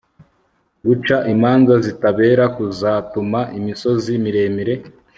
Guca imanza zitabera kuzatuma imisozi miremire